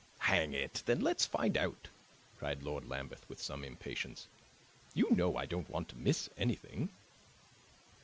"Hang it, then let's find out!" cried Lord Lambeth with some impatience. "You know I don't want to miss anything."